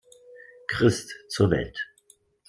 Christ, zur Welt.